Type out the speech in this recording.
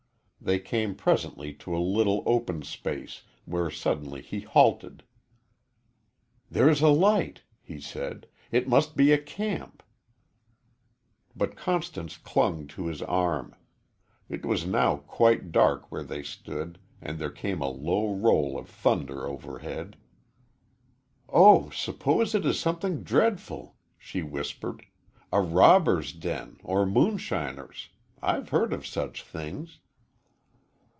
They came presently to a little open space, where suddenly he halted. "There's a light," he said, "it must be a camp." But Constance clung to his arm. It was now quite dark where they stood, and there came a low roll of thunder overhead. "Oh, suppose it is something dreadful!" she whispered "a robbers' den, or moonshiners. I've heard of such things."